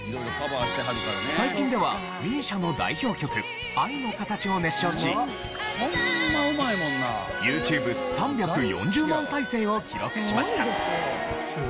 最近ではＭＩＳＩＡの代表曲『アイノカタチ』を熱唱しＹｏｕＴｕｂｅ３４０万再生を記録しました。